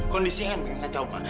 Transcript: kondisinya akan menjadi kacau ma